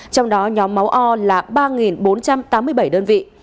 trong đó nhóm máu o là ba bốn trăm tám mươi bảy đơn vị